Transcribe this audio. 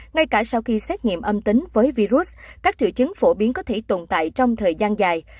ngay cả sau khi xét nghiệm âm tính với virus các triệu chứng phổ biến có thể tồn tại trong thời gian dài